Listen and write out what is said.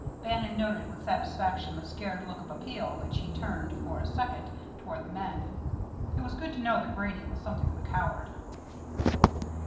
Bannon noted with satisfaction the scared look of appeal which he turned, for a second, toward the men. It was good to know that Grady was something of a coward.